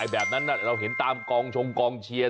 แบบนั้นเราเห็นตามกองชงกองเชียร์